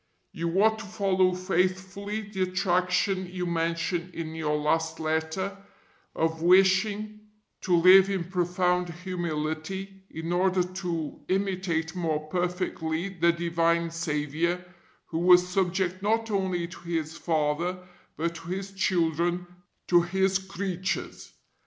You ought to follow faithfully the attraction you mention in your last letter of wishing to live in profound humility in order to imitate more perfectly the divine Saviour who was subject not only to His Father but to His children, to His creatures.